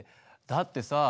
だってさ。